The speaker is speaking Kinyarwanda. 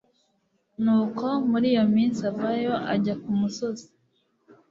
Nuko muri iyo minsi avayo ajya ku musozi